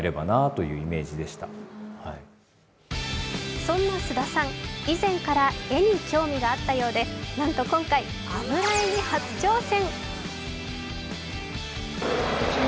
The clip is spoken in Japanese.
そんな菅田さん、以前から絵に興味があったそうで、なんと今回、油絵に初挑戦。